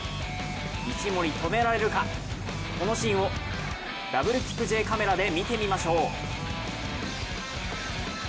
一森、止められるか、このシーンをダブルキクＪカメラで見てみましょう。